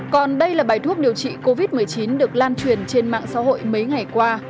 còn đây là bài thuốc điều trị covid một mươi chín được lan truyền trên mạng xã hội mấy ngày qua